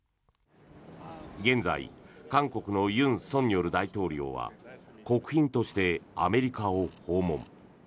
現在、韓国の尹錫悦大統領は国賓としてアメリカを訪問。